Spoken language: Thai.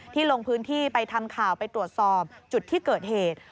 ลงพื้นที่ไปทำข่าวไปตรวจสอบจุดที่เกิดเหตุ